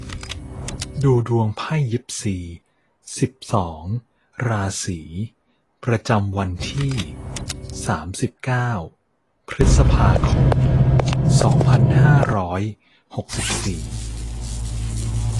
ดูดวงไพ่ยิปซี สิบสอง ราศี ประจำวันที่ สามสิบเก้า พฤษภาคม สองพันห้าร้อยหกสิบสี่